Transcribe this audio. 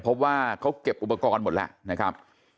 พบว่าเขาเก็บอุปกรณ์หมดแล้วนะครับ